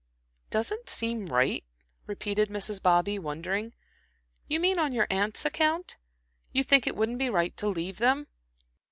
"Doesn't seem right," repeated Mrs. Bobby, wondering, "You mean on your aunts' account. You think it wouldn't be right to leave them?"